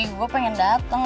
gue pengen dateng